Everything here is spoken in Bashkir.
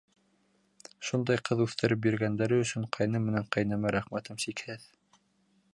Шундай ҡыҙ үҫтереп биргәндәре өсөн ҡайным менән ҡәйнәмә рәхмәтем сикһеҙ.